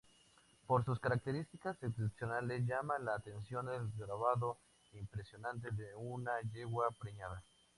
Por sus características excepcionales, llama la atención el grabado impresionante de una yegua preñada.